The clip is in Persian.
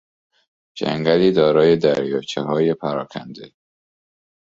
جنگلی دارای دریاچههای پراکنده